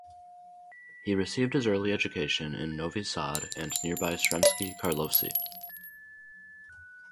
He received his early education in Novi Sad and nearby Sremski Karlovci.